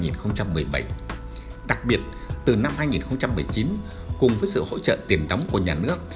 năm hai nghìn một mươi bảy đặc biệt từ năm hai nghìn một mươi chín cùng với sự hỗ trợ tiền đóng của nhà nước